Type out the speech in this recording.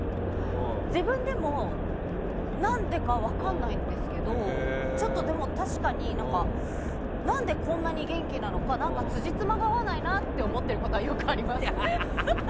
自分でも何でか分かんないんですけどちょっと確かに何でこんなに元気なのか何か、つじつまが合わないなって思ってることはよくあります。